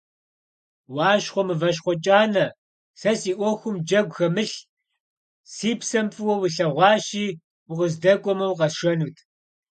Уащхъуэ Мыващхъуэ КӀанэ, сэ си Ӏуэхум джэгу хэмылъ: си псэм фӀыуэ уилъэгъуащи, укъыздэкӀуэмэ, укъэсшэнут!